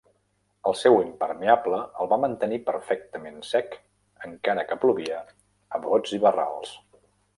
El seu impermeable el va mantenir perfectament sec encara que plovia a bots i barrals.